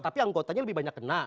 tapi anggotanya lebih banyak kena